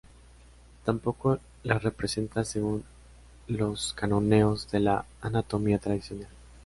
Tampoco las representa según los cánones de la anatomía tradicional.